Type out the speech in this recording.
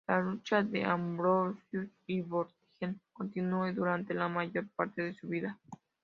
La lucha de Ambrosius y Vortigern continuó durante la mayor parte de su vida.